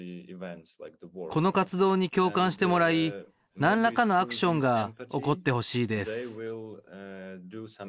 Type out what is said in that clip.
この活動に共感してもらい、なんらかのアクションが起こってほしいです。